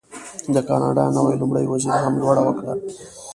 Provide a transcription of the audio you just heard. د کاناډا نوي لومړي وزیر هم لوړه وکړه.